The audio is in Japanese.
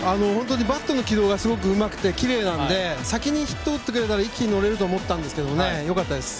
バットの軌道がすごくうまくてきれいなので先にヒットを打ってくれたら一気に乗れると思ったんですけど良かったです。